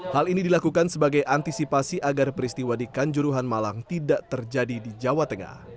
hal ini dilakukan sebagai antisipasi agar peristiwa di kanjuruhan malang tidak terjadi di jawa tengah